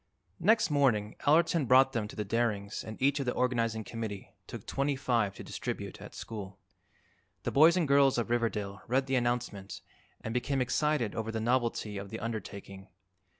Next morning Allerton brought them to the Darings and each of the Organizing Committee took twenty five to distribute at school. The boys and girls of Riverdale read the announcement and became excited over the novelty of the undertaking.